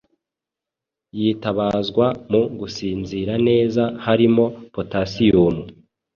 yitabazwa mu gusinzira neza harimo Potasiyumu,